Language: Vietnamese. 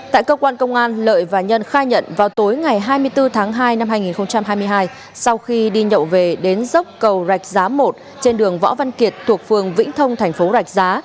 tại cơ quan công an lợi và nhân khai nhận vào tối ngày hai mươi bốn tháng hai năm hai nghìn hai mươi hai sau khi đi nhậu về đến dốc cầu rạch giá một trên đường võ văn kiệt thuộc phường vĩnh thông thành phố rạch giá